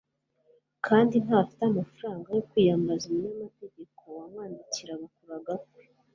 kandi ntafite amafaranga yo kwiyambaza umunyamategeko wamwandikira kuraga kwe